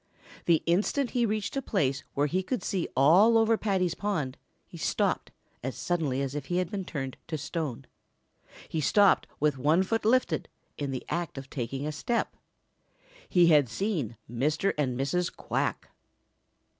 The instant he reached a place where he could see all over Paddy's pond, he stopped as suddenly as if he had been turned to stone. He stopped with one foot lifted in the act of taking a step. He had seen Mr. and Mrs. Quack.